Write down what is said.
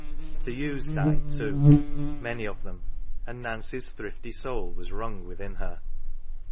The ewes died too, many of them, and Nancy's thrifty soul was wrung within her.